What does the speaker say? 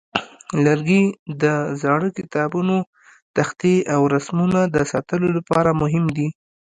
لرګي د زاړه کتابتونه، تختې، او رسمونو د ساتلو لپاره مهم دي.